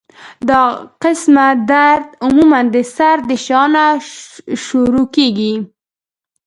دا قسمه درد عموماً د سر د شا نه شورو کيږي